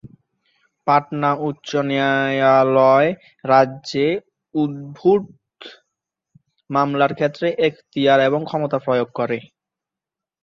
পাটনা উচ্চ ন্যায়ালয় রাজ্যে উদ্ভূত মামলার ক্ষেত্রে এখতিয়ার এবং ক্ষমতা প্রয়োগ করে।